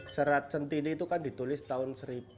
serat centini itu kan ditulis tahun seribu